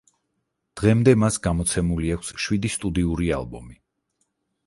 დღემდე მას გამოცემული აქვს შვიდი სტუდიური ალბომი.